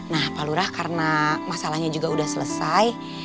nah pak lurah karena masalahnya juga sudah selesai